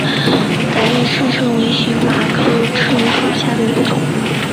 短叶赤车为荨麻科赤车属下的一个种。